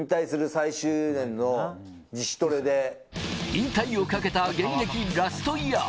引退をかけた現役ラストイヤー。